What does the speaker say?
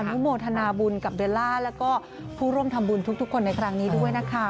นุโมทนาบุญกับเบลล่าแล้วก็ผู้ร่วมทำบุญทุกคนในครั้งนี้ด้วยนะคะ